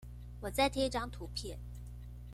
我再貼一張圖片